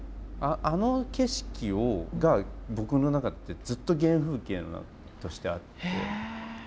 あの景色が僕の中でずっと原風景としてあって。